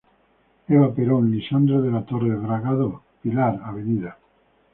Eva Perón, Lisandro de la Torre, Bragado, Pilar, Av.